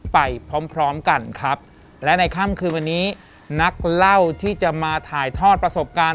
ไปพร้อมพร้อมกันครับและในค่ำคืนวันนี้นักเล่าที่จะมาถ่ายทอดประสบการณ์